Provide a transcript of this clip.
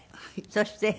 そして。